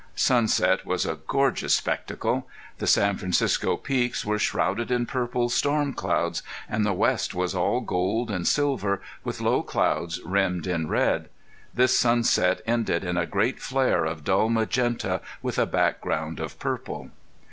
Sunset was a gorgeous spectacle. The San Francisco Peaks were shrouded in purple storm clouds, and the west was all gold and silver, with low clouds rimmed in red. This sunset ended in a great flare of dull magenta with a background of purple.